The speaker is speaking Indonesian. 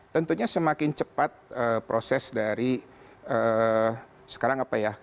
tentunya semakin cepat proses dari sekarang apa ya